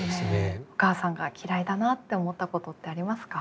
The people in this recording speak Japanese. お母さんが嫌いだなって思ったことってありますか？